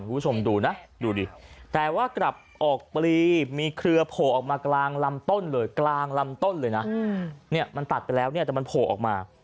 คุณผู้ชมดูนะดูดิแต่ว่ากลับออกปลีมีเครือโผล่ออกมากลางลำต้นเลยกลางลำต้นเลยนะเนี่ยมันตัดไปแล้วเนี่ยแต่มันโผล่ออกมา